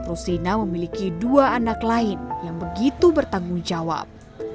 rusina memiliki dua anak lain yang begitu bertanggung jawab